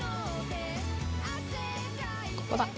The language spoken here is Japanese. ここだ！